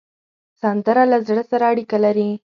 سندره له زړه سره اړیکه لري